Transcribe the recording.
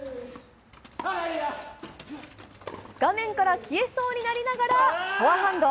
画面から消えそうになりながら、フォアハンド。